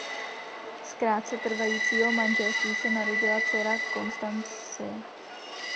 Z krátce trvajícího manželství se narodila dcera Konstancie.